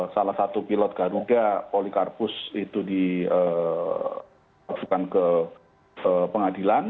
salah satu pilot garuda polikarpus itu dimasukkan ke pengadilan